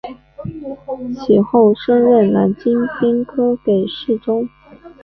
此后升任南京兵科给事中。